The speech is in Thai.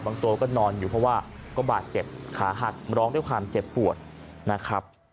ตัวก็นอนอยู่เพราะว่าก็บาดเจ็บขาหักร้องด้วยความเจ็บปวดนะครับ